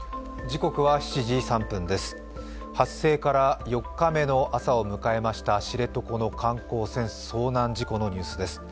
発生から４日目の朝を迎えました知床の観光船遭難事故のニュースです。